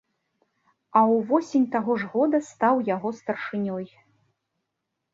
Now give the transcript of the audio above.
А ўвосень таго ж года стаў яго старшынёй.